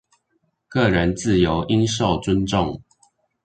個人自由應受尊重